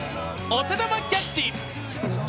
お手玉キャッチ。